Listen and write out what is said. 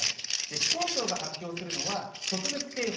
気象庁が発表するのは、特別警報。